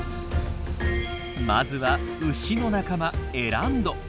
まずは牛の仲間エランド。